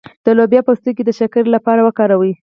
د لوبیا پوستکی د شکر لپاره وکاروئ